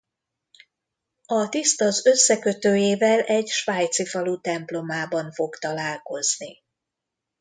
A tiszt az összekötőjével egy svájci falu templomában fog találkozni.